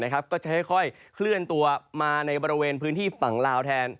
ก็จะค่อยเคลื่อนตัวมาในบริเวณพื้นที่ฝั่งลาวแทน